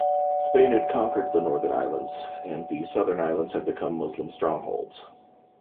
Spain had conquered the northern islands, and the southern islands had become Muslim strongholds.